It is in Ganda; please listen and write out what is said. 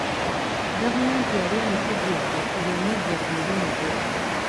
Gavumenti yali emusigudde ng'emujje ku mulimu ggwe.